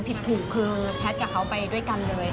ผิดถูกคือแพทย์กับเขาไปด้วยกันเลย